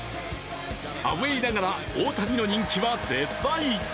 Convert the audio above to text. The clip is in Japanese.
アウェーながら大谷の人気は絶大。